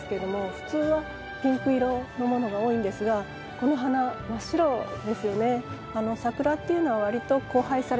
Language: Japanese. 普通はピンク色のものが多いんですがこの花真っ白ですよね。